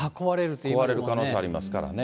壊れる可能性ありますからね。